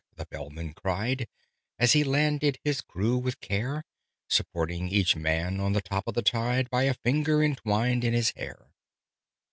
the Bellman cried, As he landed his crew with care; Supporting each man on the top of the tide By a finger entwined in his hair.